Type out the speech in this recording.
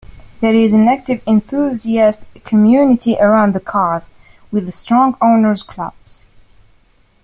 There is an active enthusiast community around the cars, with strong owners' clubs.